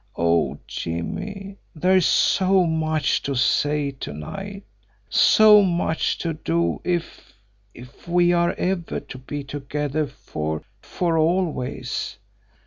Oh, Jimmie, there is so much to say to night, so much to do if if we are ever to be together for for always.